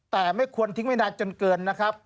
แต่ไม่ควรทิ้งไว้นานจนเกินนะครับ